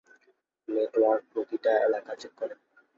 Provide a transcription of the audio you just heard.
Network প্রতিটা এলাকা check করে।